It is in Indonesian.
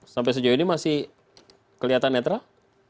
sampai sejauh ini masih kelihatan netral